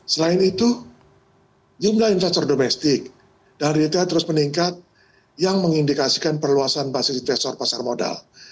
selain itu jumlah investor domestik dan retail terus meningkat yang mengindikasikan perluasan basis investor pasar modal